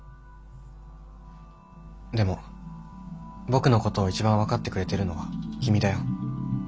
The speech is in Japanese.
でも僕のことを一番分かってくれてるのは君だよ。